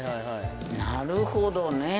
なるほどねえ。